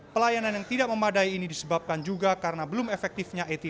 pelayanan yang tidak memadai ini disebabkan juga karena belum efektifnya etni